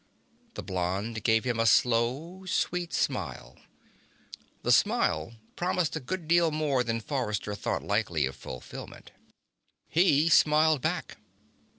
The blonde gave him a slow, sweet smile. The smile promised a good deal more than Forrester thought likely of fulfillment. He smiled back.